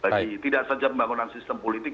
bagi tidak saja pembangunan sistem politik